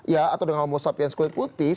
ya atau dengan homo sapiens kulit putih